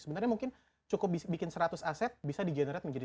sebenarnya mungkin cukup bikin seratus aset bisa di generate menjadi